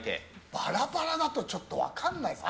バラバラだとちょっと分からないですね。